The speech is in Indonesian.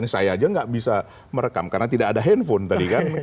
saya aja nggak bisa merekam karena tidak ada handphone tadi kan